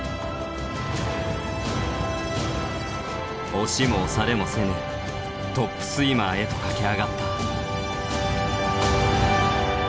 押しも押されもせぬトップスイマーへと駆け上がった。